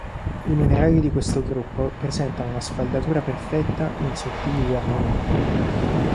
I minerali di questo gruppo presentano una sfaldatura perfetta in sottili lamine.